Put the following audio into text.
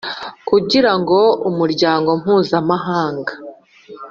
kugira ngo umuryango mpuzamahanga